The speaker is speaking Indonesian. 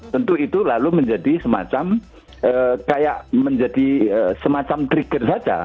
tentu itu lalu menjadi semacam kayak menjadi semacam trigger saja